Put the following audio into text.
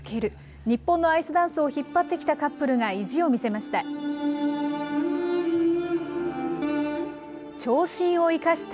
日本のアイスダンスを引っ張ってきたカップルが、意地を見せました。